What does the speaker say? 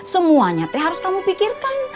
semuanya harus kamu pikirkan